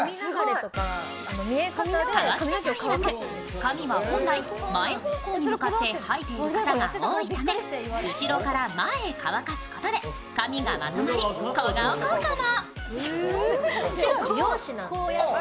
髪は本来、前方向に生えている人が多いため後ろから前へ乾かすことで、髪がまとまり小顔効果も。